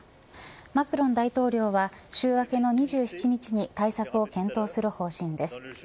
マクロン大統領は週明けの２７日に対策を検討する方針です。